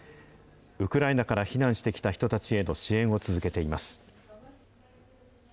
ウクライナから避難してきた人たちへの支援を続けています。